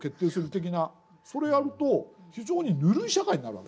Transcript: それやると非常にぬるい社会になる訳ですよ。